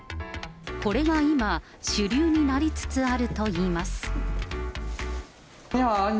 これが今、主流になりつつあるといいます。